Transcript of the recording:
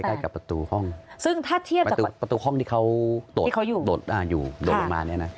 ใกล้กับประตูห้องซึ่งถ้าเทียบกับประตูห้องที่เขาอยู่โดดลงมาเนี่ยนะ